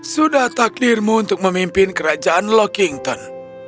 sudah takdirmu untuk memimpin kerajaan lockington